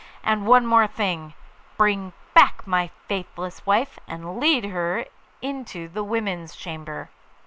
And one thing more: bring back my faithless wife, and lead her into the women's chamber.